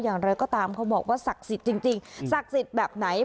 อย่างไรก็ตามเขาบอกว่าศักดิ์สิทธิ์จริงศักดิ์สิทธิ์แบบไหน